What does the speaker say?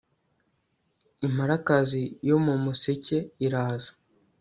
imparakazi yo mu museke iraza